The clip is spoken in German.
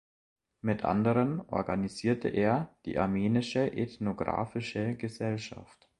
Mit anderen organisierte er die Armenische Ethnographische Gesellschaft.